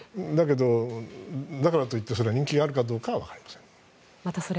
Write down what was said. だからといって人気があるかどうかは分かりません。